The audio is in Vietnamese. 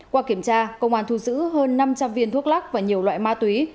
qua kiểm tra công an thu giữ hơn năm trăm linh viên thuốc lắc và nhiều loại ma túy